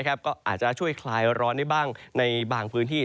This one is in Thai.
ก็อาจจะช่วยคลายร้อนได้บ้างในบางพื้นที่